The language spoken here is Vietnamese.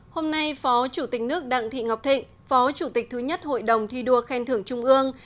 hôm nay phó chủ tịch nước đặng thị ngọc thịnh phó chủ tịch thứ nhất hội đồng thi đua khen thưởng trung ương